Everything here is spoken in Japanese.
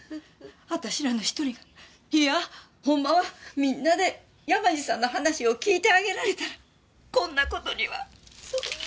私らの１人がいやほんまはみんなで山路さんの話を聞いてあげられたらこんな事には。そうやな。